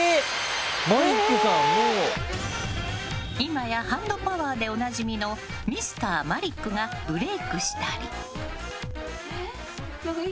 今やハンドパワーでおなじみのＭｒ．マリックがブレークしたり。